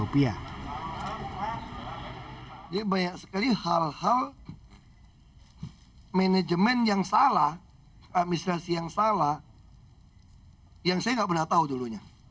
jadi banyak sekali hal hal manajemen yang salah administrasi yang salah yang saya nggak pernah tahu dulunya